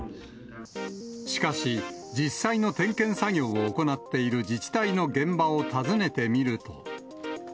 しかし、実際の点検作業を行っている自治体の現場を訪ねてみると。